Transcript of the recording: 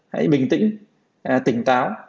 hãy bình tĩnh tỉnh táo